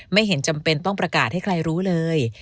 ไม่เห็นจำเป็นต้องประกาศให้ใครรู้เลย